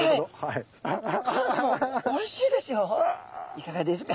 いかがですか？